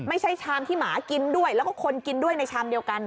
ชามที่หมากินด้วยแล้วก็คนกินด้วยในชามเดียวกัน